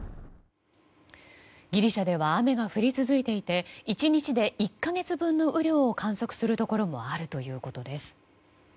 ギリシャでは雨が降り続いていて１日で１か月分の雨量を観測するところもあるということです。